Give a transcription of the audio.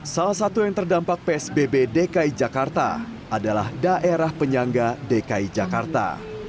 salah satu yang terdampak psbb dki jakarta adalah daerah penyangga dki jakarta